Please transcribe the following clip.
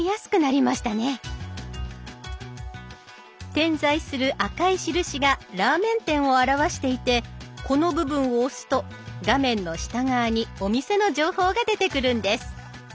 点在する赤い印がラーメン店を表していてこの部分を押すと画面の下側にお店の情報が出てくるんです。